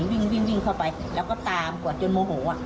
แล้วก็ตามให้แตกจนโมโห